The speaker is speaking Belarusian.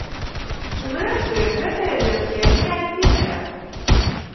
Зрэшты, гэтая версія не адзіная.